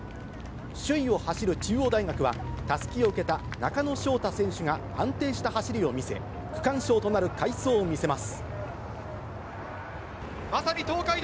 首位を走る中央大学は、たすきを受けた中野翔太選手が安定した走りを見せ、区間賞となるまさに東海道、